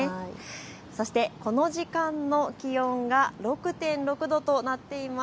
そして、この時間の気温が６．６度となっています。